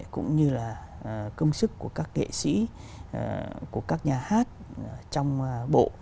cũng như là công sức của các nghệ sĩ của các nhà hát trong bộ